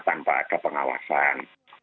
tanpa ada pengawasan